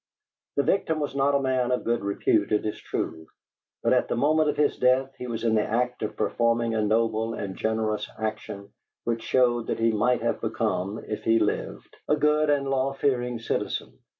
The victim was not a man of good repute, it is true, but at the moment of his death he was in the act of performing a noble and generous action which showed that he might have become, if he lived, a good and law fearing citizen.